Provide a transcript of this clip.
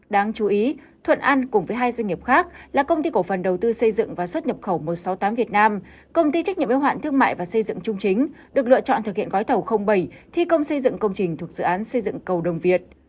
đáng chú ý thuận an cùng với hai doanh nghiệp khác là công ty cổ phần đầu tư xây dựng và xuất nhập khẩu một trăm sáu mươi tám việt nam công ty trách nhiệm yêu hoạn thương mại và xây dựng trung chính được lựa chọn thực hiện gói thầu bảy thi công xây dựng công trình thuộc dự án xây dựng cầu đồng việt